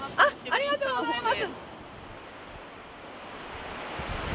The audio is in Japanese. ありがとうございます。